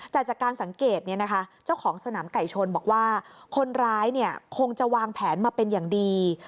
แต่จากการสังเกตเจ้าของสนามไก่ชนบอกว่าคนร้ายคงจะวางแผนมาเป็นอย่างดี